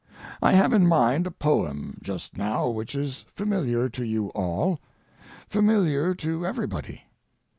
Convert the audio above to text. I have in mind a poem just now which is familiar to you all, familiar to everybody.